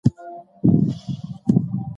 سندرې عمومي روغتیا ښه کوي.